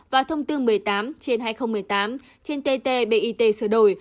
vào thông tư một mươi tám trên hai nghìn một mươi tám trên ttbit sửa đổi